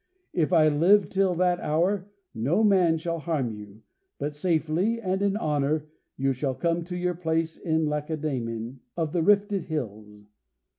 If I live till that hour no man shall harm you, but safely and in honour you shall come to your palace in Lacedaemon of the rifted hills.